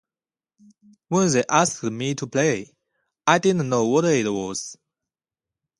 When they asked me to play, I didn't know what it was.